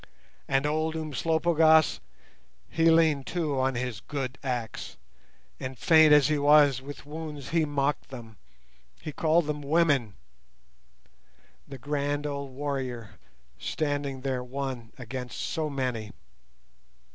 And old Umslopogaas, he leaned too on his good axe, and, faint as he was with wounds, he mocked them, he called them "women"—the grand old warrior, standing there one against so many!